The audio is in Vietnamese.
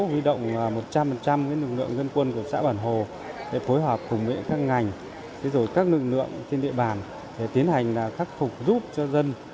huy động một trăm linh lực lượng dân quân của xã bản hồ để phối hợp cùng với các ngành các lực lượng trên địa bàn để tiến hành khắc phục giúp cho dân